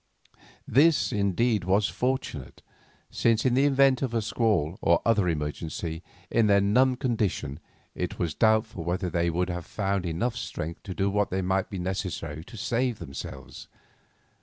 This, indeed, was fortunate, since in the event of a squall or other emergency, in their numbed condition it was doubtful whether they could have found enough strength to do what might be necessary to save themselves.